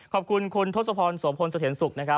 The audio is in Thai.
ขอบคุณคุณทศพรสมพลสเทนศุกร์